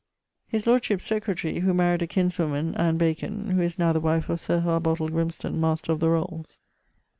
] His lordship's secretarie, who maried a kinswoman ( Bacon), who is now the wife of Sir Harbottle Grimston, Master of the Rolles.